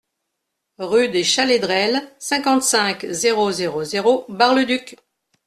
Rue des Chalaidrelles, cinquante-cinq, zéro zéro zéro Bar-le-Duc